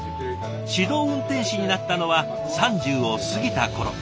指導運転士になったのは３０を過ぎた頃。